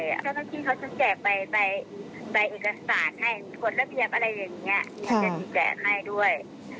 ่วนระเภทอะไรอย่างนี้ที่เขาจะดีแจให้ด้วย